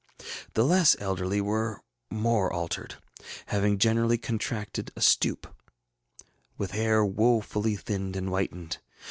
The less elderly were more altered, having generally contracted a stoop, with hair wofully thinned and whitened.